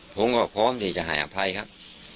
ผมก็พร้อมที่จะให้อภัยครับ